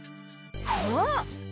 そう！